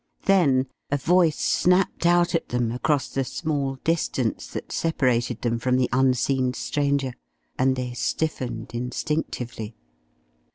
Then a voice snapped out at them across the small distance that separated them from the unseen stranger, and they stiffened instinctively.